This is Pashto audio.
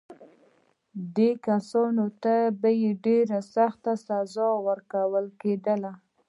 دې کسانو ته به ډېره سخته سزا ورکول کېدله.